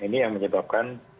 ini yang menyebabkan